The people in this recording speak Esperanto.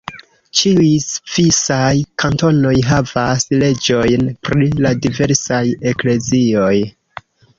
Ĉiuj svisaj kantonoj havas leĝojn pri la diversaj eklezioj.